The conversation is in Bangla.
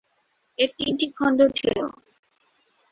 এর তিনটি খন্ড ছিল।